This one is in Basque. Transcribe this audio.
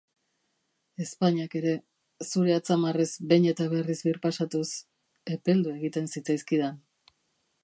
Ezpainak ere, zure atzamarrez behin eta berriz birpasatuz, epeldu egiten zitzaizkidan.